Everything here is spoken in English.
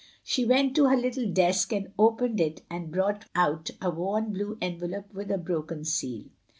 She went to her little desk, and opened it, and brought out a worn blue envelope with a broken seal.